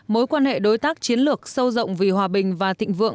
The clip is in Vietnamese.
mối quan hệ đối tác chiến lược sâu rộng vì hòa bình và thịnh vượng